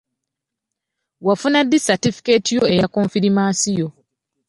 Wafuna ddi satifukeeti yo eya konfirimansiyo?